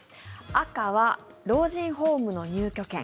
赤は老人ホームの入居権